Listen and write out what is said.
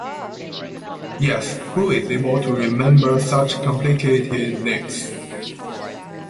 Yes, who is able to remember such complicated names!